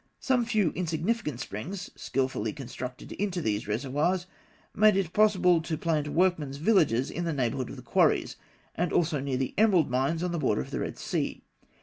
Some few insignificant springs, skilfully conducted into these reservoirs, made it possible to plant workmen's villages in the neighbourhood of the quarries, and also near the emerald mines on the borders of the Red Sea.